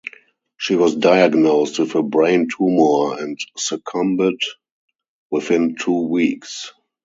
She was diagnosed with a brain tumor and succumbed within two weeks.